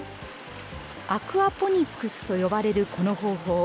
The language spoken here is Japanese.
アクアポニックスと呼ばれるこの方法。